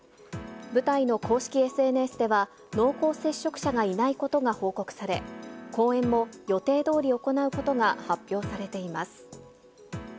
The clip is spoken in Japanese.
舞台の公式ＳＮＳでは、濃厚接触者がいないことが報告され、公演も予定どおり行うことが発表されています。